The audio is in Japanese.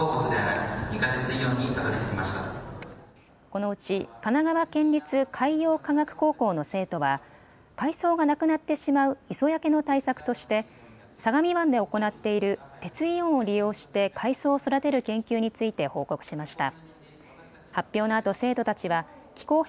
このうち神奈川県立海洋科学高校の生徒は海藻がなくなってしまう磯焼けの対策として相模湾で行っている鉄イオンを利用して海藻を育てる研究について報告しました。